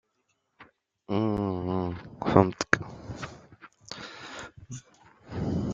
Les matchs aller ont lieu à Kuala Lumpur, les matchs retour à Djeddah.